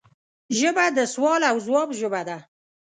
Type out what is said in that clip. ژبه د سوال او ځواب ژبه ده